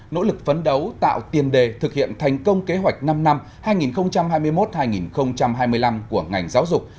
nỗ lực phấn đấu tạo tiền đề thực hiện thành công kế hoạch năm năm hai nghìn hai mươi một hai nghìn hai mươi năm của ngành giáo dục